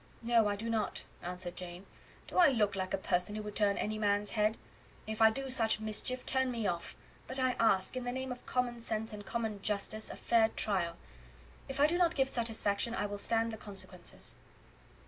"No, I do not," answered Jane. "Do I look like a person who would turn any man's head? If I do such mischief, turn me off; but I ask, in the name of common sense and common justice, a fair trial. If I do not give satisfaction I will stand the consequences."